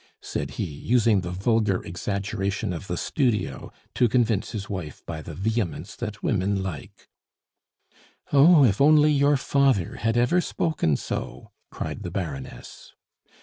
said he, using the vulgar exaggeration of the studio to convince his wife by the vehemence that women like. "Oh! if only your father had ever spoken so !" cried the Baroness.